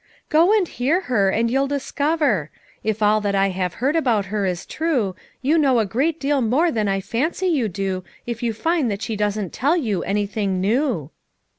"Go and hear her and you'll discover; if all that I have heard about her is true, you know a great deal more than I fancy you do if you find that she doesn't tell you anything new."